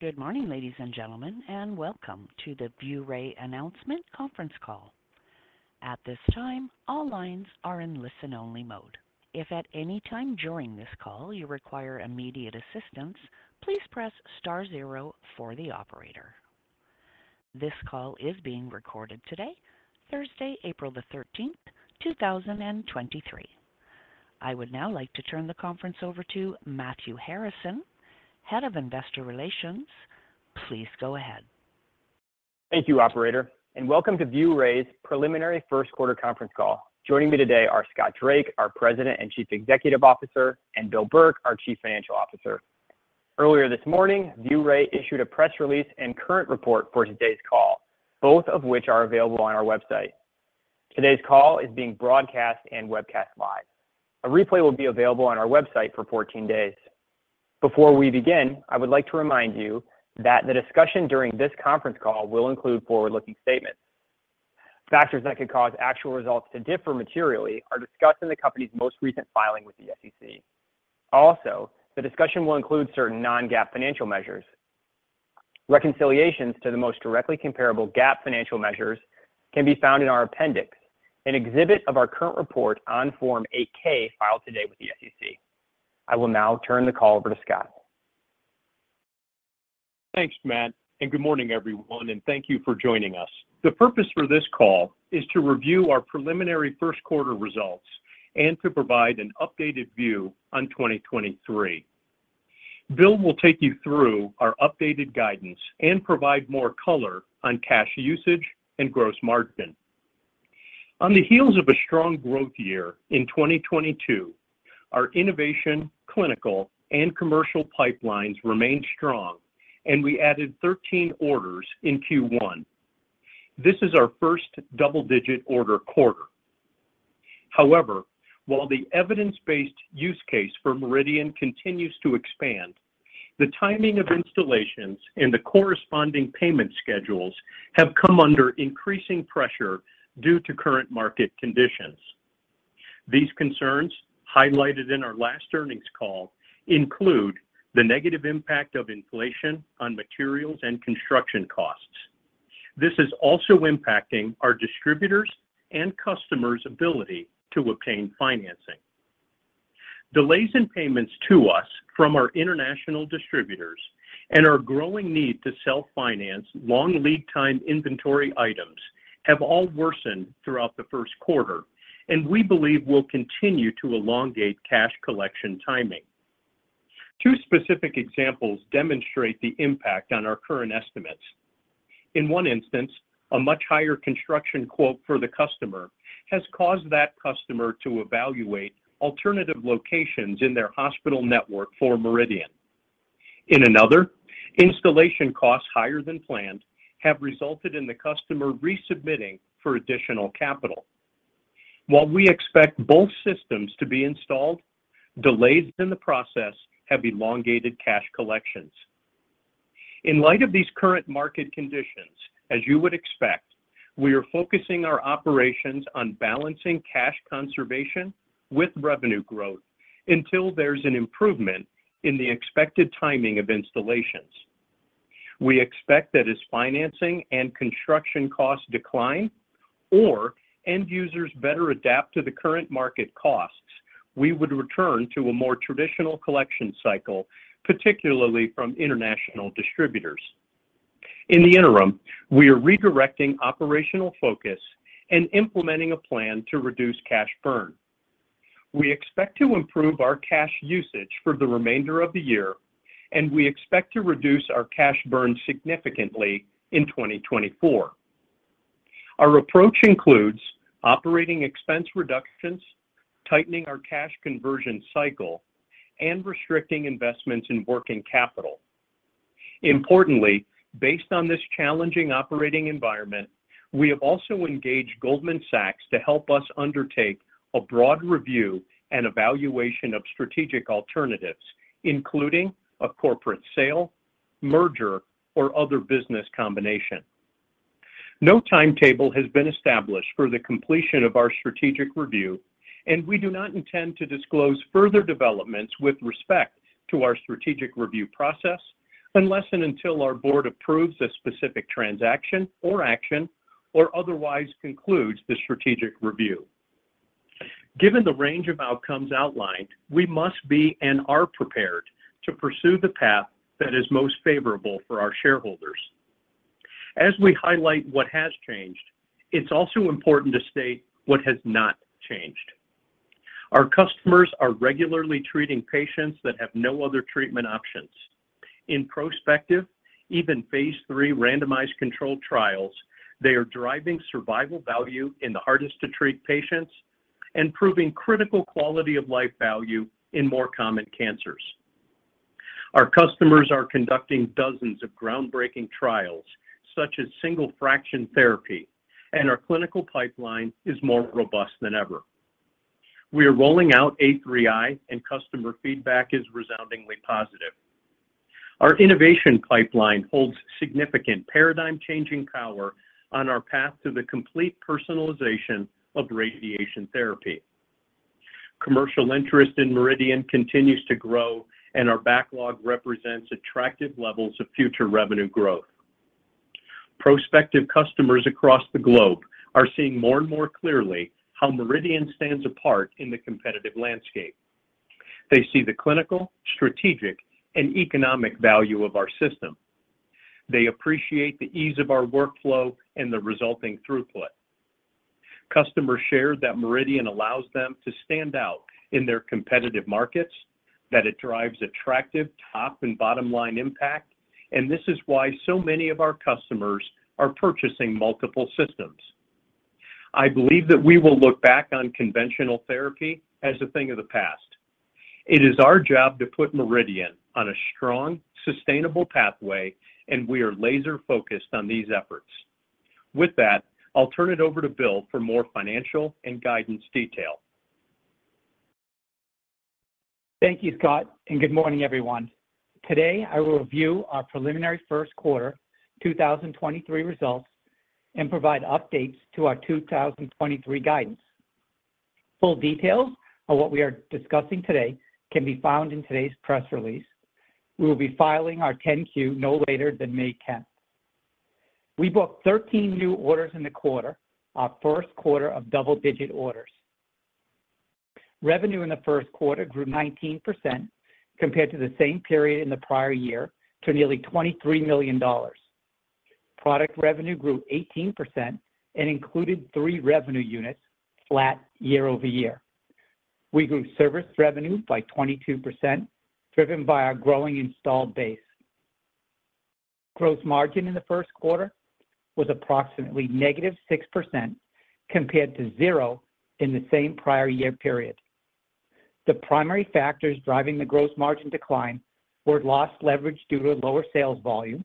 Good morning, ladies and gentlemen, and welcome to the ViewRay Announcement Conference Call. At this time, all lines are in listen-only mode. If at any time during this call you require immediate assistance, please press star zero for the operator. This call is being recorded today, Thursday, April the 13th, 2023. I would now like to turn the conference over to Matt Harrison, Head of Investor Relations. Please go ahead. Thank you, operator, welcome to ViewRay's Preliminary First Quarter Conference Call. Joining me today are Scott Drake, our President and Chief Executive Officer, and Bill Burke, our Chief Financial Officer. Earlier this morning, ViewRay issued a press release and current report for today's call, both of which are available on our website. Today's call is being broadcast and webcast live. A replay will be available on our website for 14 days. Before we begin, I would like to remind you that the discussion during this conference call will include forward-looking statements. Factors that could cause actual results to differ materially are discussed in the company's most recent filing with the SEC. The discussion will include certain non-GAAP financial measures. Reconciliations to the most directly comparable GAAP financial measures can be found in our appendix, an exhibit of our current report on Form 8-K filed today with the SEC. I will now turn the call over to Scott. Thanks, Matt. Good morning, everyone, and thank you for joining us. The purpose for this call is to review our preliminary first quarter results and to provide an updated view on 2023. Bill will take you through our updated guidance and provide more color on cash usage and gross margin. On the heels of a strong growth year in 2022, our innovation, clinical, and commercial pipelines remained strong, and we added 13 orders in Q1. This is our first double-digit order quarter. However, while the evidence-based use case for MRIdian continues to expand, the timing of installations and the corresponding payment schedules have come under increasing pressure due to current market conditions. These concerns, highlighted in our last earnings call, include the negative impact of inflation on materials and construction costs. This is also impacting our distributors' and customers' ability to obtain financing. Delays in payments to us from our international distributors and our growing need to self-finance long lead time inventory items have all worsened throughout the first quarter and we believe will continue to elongate cash collection timing. Two specific examples demonstrate the impact on our current estimates. In one instance, a much higher construction quote for the customer has caused that customer to evaluate alternative locations in their hospital network for MRIdian. In another, installation costs higher than planned have resulted in the customer resubmitting for additional capital. While we expect both systems to be installed, delays in the process have elongated cash collections. In light of these current market conditions, as you would expect, we are focusing our operations on balancing cash conservation with revenue growth until there's an improvement in the expected timing of installations. We expect that as financing and construction costs decline or end users better adapt to the current market costs, we would return to a more traditional collection cycle, particularly from international distributors. In the interim, we are redirecting operational focus and implementing a plan to reduce cash burn. We expect to improve our cash usage for the remainder of the year. We expect to reduce our cash burn significantly in 2024. Our approach includes operating expense reductions, tightening our cash conversion cycle, and restricting investments in working capital. Importantly, based on this challenging operating environment, we have also engaged Goldman Sachs to help us undertake a broad review and evaluation of strategic alternatives, including a corporate sale, merger, or other business combination. No timetable has been established for the completion of our strategic review, and we do not intend to disclose further developments with respect to our strategic review process unless and until our board approves a specific transaction or action or otherwise concludes the strategic review. Given the range of outcomes outlined, we must be and are prepared to pursue the path that is most favorable for our shareholders. As we highlight what has changed, it's also important to state what has not changed. Our customers are regularly treating patients that have no other treatment options. In prospective, even Phase III randomized controlled trials, they are driving survival value in the hardest to treat patients and proving critical quality of life value in more common cancers. Our customers are conducting dozens of groundbreaking trials, such as single fraction therapy, and our clinical pipeline is more robust than ever. We are rolling out A3i, and customer feedback is resoundingly positive. Our innovation pipeline holds significant paradigm-changing power on our path to the complete personalization of radiation therapy. Commercial interest in MRIdian continues to grow, and our backlog represents attractive levels of future revenue growth. Prospective customers across the globe are seeing more and more clearly how MRIdian stands apart in the competitive landscape. They see the clinical, strategic, and economic value of our system. They appreciate the ease of our workflow and the resulting throughput. Customers share that MRIdian allows them to stand out in their competitive markets, that it drives attractive top and bottom line impact, and this is why so many of our customers are purchasing multiple systems. I believe that we will look back on conventional therapy as a thing of the past. It is our job to put MRIdian on a strong, sustainable pathway, and we are laser-focused on these efforts. With that, I'll turn it over to Bill for more financial and guidance detail. Thank you, Scott. Good morning, everyone. Today, I will review our preliminary first quarter 2023 results and provide updates to our 2023 guidance. Full details on what we are discussing today can be found in today's press release. We will be filing our 10-Q no later than May 10th. We booked 13 new orders in the quarter, our first quarter of double-digit orders. Revenue in the first quarter grew 19% compared to the same period in the prior year to nearly $23 million. Product revenue grew 18% and included three revenue units flat year-over-year. We grew service revenue by 22%, driven by our growing installed base. Gross margin in the first quarter was approximately -6% compared to zero in the same prior year period. The primary factors driving the gross margin decline were lost leverage due to lower sales volume,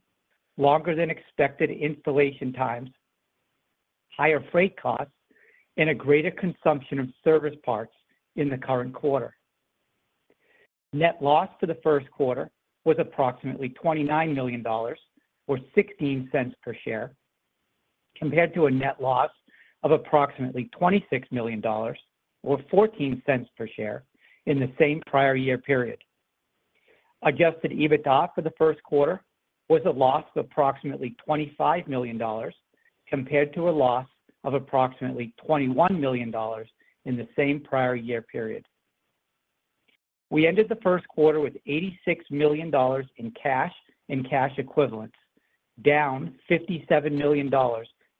longer than expected installation times, higher freight costs, and a greater consumption of service parts in the current quarter. Net loss for the first quarter was approximately $29 million or $0.16 per share, compared to a net loss of approximately $26 million or $0.14 per share in the same prior year period. Adjusted EBITDA for the first quarter was a loss of approximately $25 million compared to a loss of approximately $21 million in the same prior year period. We ended the first quarter with $86 million in cash and cash equivalents, down $57 million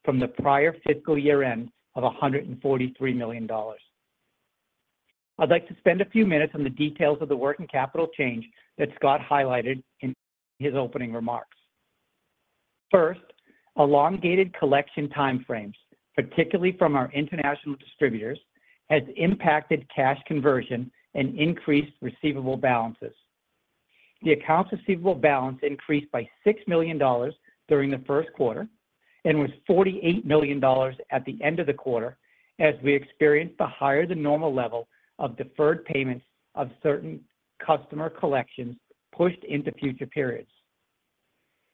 from the prior fiscal year-end of $143 million. I'd like to spend a few minutes on the details of the working capital change that Scott highlighted in his opening remarks. First, elongated collection time frames, particularly from our international distributors, has impacted cash conversion and increased receivable balances. The accounts receivable balance increased by $6 million during the first quarter and was $48 million at the end of the quarter as we experienced a higher than normal level of deferred payments of certain customer collections pushed into future periods.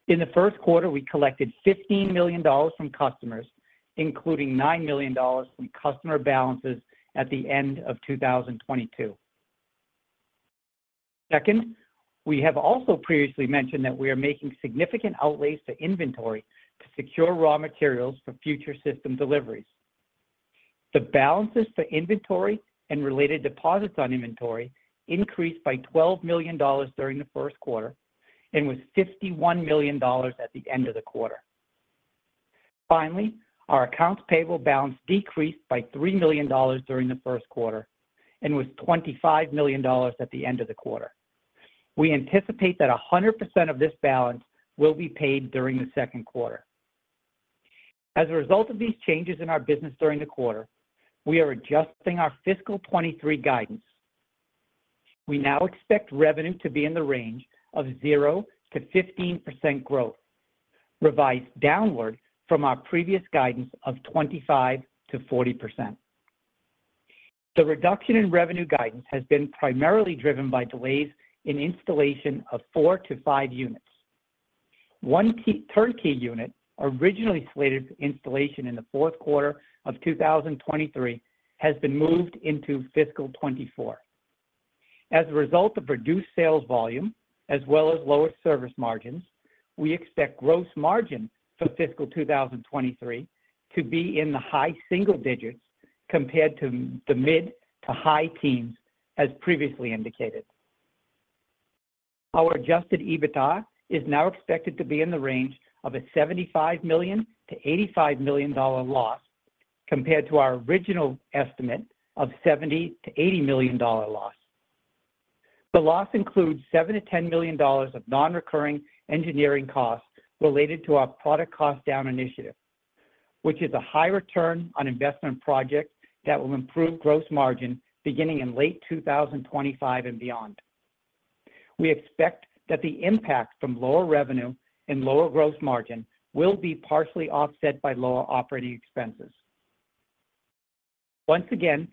In the first quarter, we collected $15 million from customers, including $9 million from customer balances at the end of 2022. Second, we have also previously mentioned that we are making significant outlays to inventory to secure raw materials for future system deliveries. The balances for inventory and related deposits on inventory increased by $12 million during the first quarter and was $51 million at the end of the quarter. Finally, our accounts payable balance decreased by $3 million during the first quarter and was $25 million at the end of the quarter. We anticipate that 100% of this balance will be paid during the second quarter. As a result of these changes in our business during the quarter, we are adjusting our fiscal 2023 guidance. We now expect revenue to be in the range of 0%-15% growth, revised downward from our previous guidance of 25%-40%. The reduction in revenue guidance has been primarily driven by delays in installation of 4-5 units. One turnkey unit, originally slated for installation in Q4 2023, has been moved into fiscal 2024. As a result of reduced sales volume as well as lower service margins, we expect gross margin for fiscal 2023 to be in the high single digits compared to the mid to high teens as previously indicated. Our Adjusted EBITDA is now expected to be in the range of a $75 million-$85 million loss compared to our original estimate of $70 million-$80 million loss. The loss includes $7 million-$10 million of non-recurring engineering costs related to our product cost down initiative, which is a high ROI project that will improve gross margin beginning in late 2025 and beyond. We expect that the impact from lower revenue and lower gross margin will be partially offset by lower operating expenses. Once again,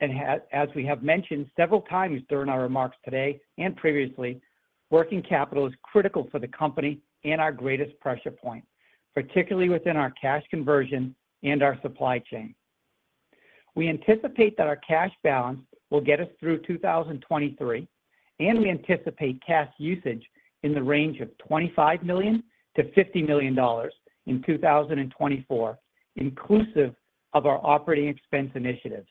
and as we have mentioned several times during our remarks today and previously, working capital is critical for the company and our greatest pressure point, particularly within our cash conversion and our supply chain. We anticipate that our cash balance will get us through 2023. We anticipate cash usage in the range of $25 million-$50 million in 2024, inclusive of our operating expense initiatives.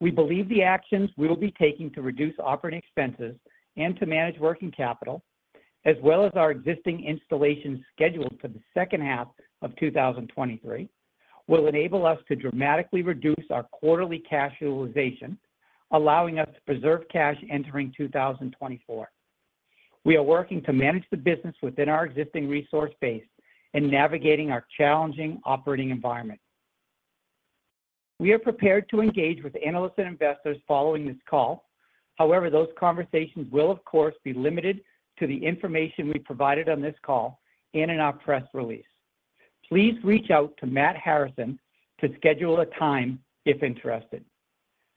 We believe the actions we will be taking to reduce operating expenses and to manage working capital, as well as our existing installation scheduled for the second half of 2023, will enable us to dramatically reduce our quarterly cash utilization, allowing us to preserve cash entering 2024. We are working to manage the business within our existing resource base and navigating our challenging operating environment. We are prepared to engage with analysts and investors following this call. Those conversations will of course be limited to the information we provided on this call and in our press release. Please reach out to Matt Harrison to schedule a time if interested.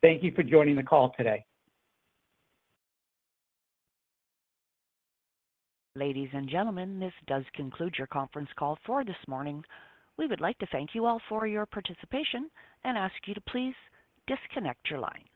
Thank you for joining the call today. Ladies and gentlemen, this does conclude your conference call for this morning. We would like to thank you all for your participation and ask you to please disconnect your lines.